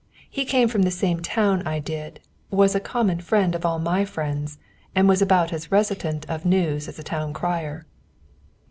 He came from the same town as I did, was a common friend of all my friends, and was about as reticent of news as a town crier.